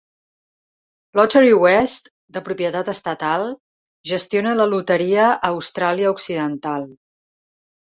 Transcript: Lotterywest, de propietat estatal, gestiona la loteria a Austràlia Occidental.